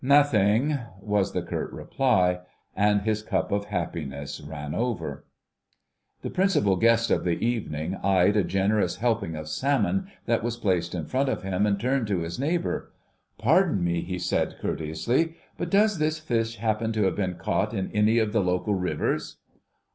"Nothing," was the curt reply, and his cup of happiness ran over. The principal guest of the evening eyed a generous helping of salmon that was placed in front of him, and turned to his neighbour. "Pardon me," he said courteously, "but does this fish happen to have been caught in any of the local rivers?"